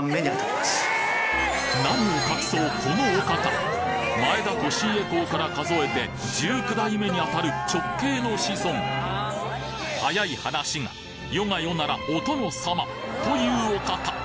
何を隠そうこの御方前田利家公から数えて１９代目にあたる直系の子孫早い話が世が世ならお殿様という御方